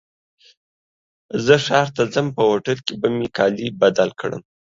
زه ښار ته ځم په هوټل کي به مي کالي بدل کړم.